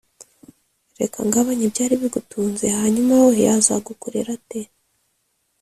reka ngabanye ibyari bigutunze hanyuma we yazagukorera ate